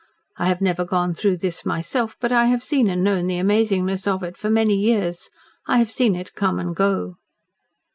I have never gone through this myself, but I have seen and known the amazingness of it for many years. I have seen it come and go."